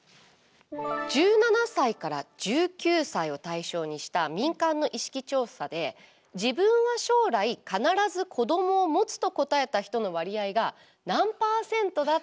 １７歳から１９歳を対象にした民間の意識調査で自分は将来必ず子どもを持つと答えた人の割合が何パーセントだったか。